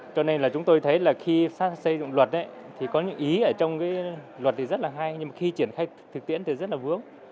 cho nên là chúng tôi thấy là khi xây dựng luật thì có những ý ở trong cái luật thì rất là hay nhưng mà khi triển khai thực tiễn thì rất là vướng